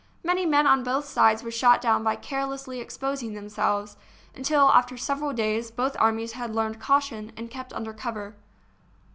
Many men on both sides were shot down by carelessly exposing themselves, until, after several days, both armies had learned caution and kept under cover.